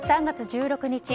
３月１６日